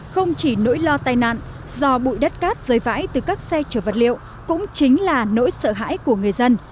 không chỉ nỗi lo tai nạn do bụi đất cát rơi vãi từ các xe chở vật liệu cũng chính là nỗi sợ hãi của người dân